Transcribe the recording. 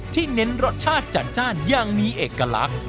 เน้นรสชาติจัดจ้านอย่างมีเอกลักษณ์